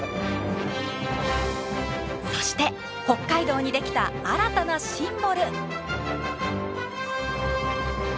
そして北海道に出来た新たなシンボル。